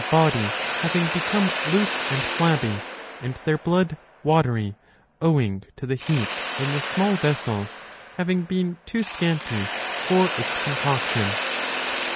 body having become loose and flabby, and their blood watery, owing to the heat in the small vessels^ having been too scanty for its concoction.